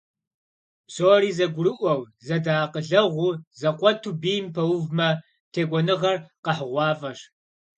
Псори зэгурыӀуэу, зэдэакъылэгъуу, зэкъуэту бийм пэувмэ, текӀуэныгъэр къэхьыгъуафӀэщ.